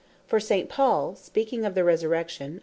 For St. Paul, speaking of the Resurrection (1 Cor.